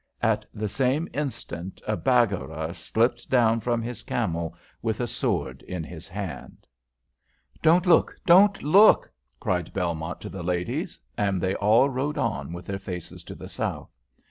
At the same instant a Baggara slipped down from his camel with a sword in his hand. [Illustration: Sword in his hand p184] "Don't look! don't look!" cried Belmont to the ladies, and they all rode on with their faces to the south.